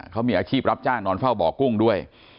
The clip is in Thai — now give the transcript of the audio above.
เขามีอาชีพรับจ้างนอนเฝ้าบ่อกุ้งด้วย